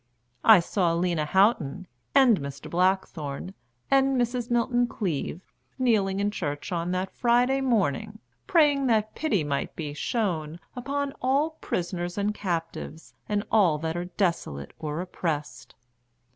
I saw Lena Houghton, and Mr. Blackthorne, and Mrs. Milton Cleave, kneeling in church on that Friday morning, praying that pity might be shown "upon all prisoners and captives, and all that are desolate or oppressed."